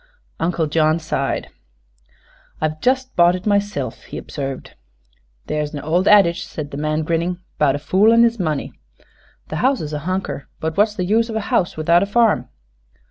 Uncle John sighed. "I've just bought it myself," he observed. "There's a ol' addige," said the man, grinning, "'bout a fool an' his money. The house is a hunker; but w'at's the use of a house without a farm?"